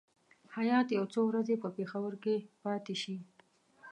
هیات یو څو ورځې په پېښور کې پاتې شي.